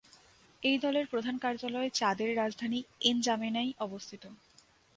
এই দলের প্রধান কার্যালয় চাদের রাজধানী এনজামেনায় অবস্থিত।